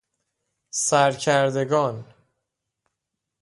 سرکردگان